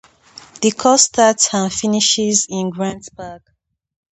The course starts and finishes in Grant Park.